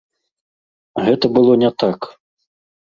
Гэта было не так.